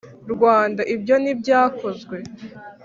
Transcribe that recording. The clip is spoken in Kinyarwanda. rwanda, ibyo ntibyakozwe.